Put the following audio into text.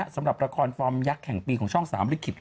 สำหรับประคอนฟอร์มยักษ์แข่งปีของช่องสามฤกษ์